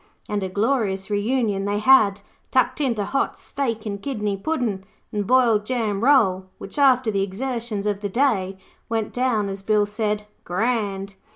And a glorious reunion they had, tucking into hot steak and kidney puddin' and boiled jam roll, which, after the exertions of the day, went down, as Bill said, 'Grand'.